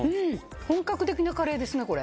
本格的なカレーですねこれ。